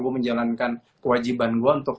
gue menjalankan kewajiban gue untuk